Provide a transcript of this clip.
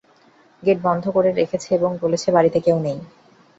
Gate বন্ধ করে রাখছে এবং বলছে বাড়িতে কেউ নেই।